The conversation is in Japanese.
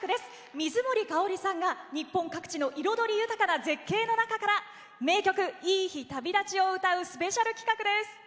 水森かおりさんが日本各地の彩り豊かな絶景の中で名曲「いい日旅立ち」を歌うスペシャル企画です。